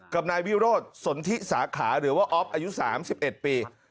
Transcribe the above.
กับนายวิโรธสนทิสาขาหรือว่าอ๊อฟอายุ๓๑ปี